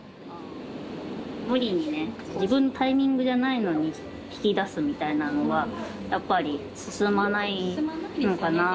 無理にね自分のタイミングじゃないのに引き出すみたいなのはやっぱり進まないのかなって。